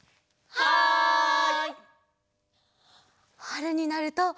はい！